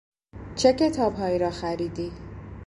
چه کتابهایی را خریدی؟